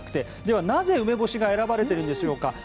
ではなぜ、梅干しが選ばれているのでしょうか。